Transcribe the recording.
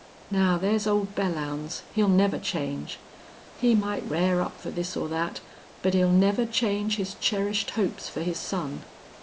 Now there's old Belllounds he'll never change. He might r'ar up for this or that, but he'll never change his cherished hopes for his son....